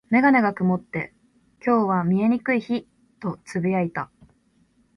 メガネが曇って、「今日は見えにくい日」と嘆いた。